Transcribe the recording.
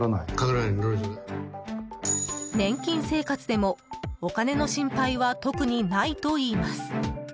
年金生活でも、お金の心配は特にないといいます。